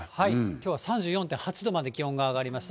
きょうは３４．８度まで気温が上がりました。